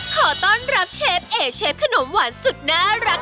ขอต้อนรับเชฟเอเชฟขนมหวานสุดน่ารัก